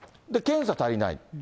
検査足りない。